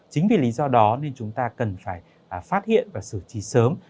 chính vì lý do đó nên chúng ta cần phải phát hiện và xử trí sớm